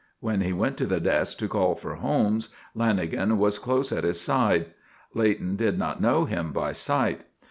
When he went to the desk to call for Holmes, Lanagan was close at his side. Leighton did not know him by sight.